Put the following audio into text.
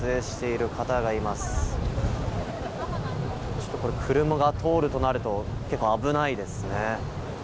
ちょっとこれ車が通るとなると、結構危ないですね。